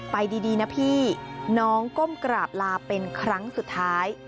ไปดีนะพี่น้องก้มกราบลาเป็นครั้งสุดท้าย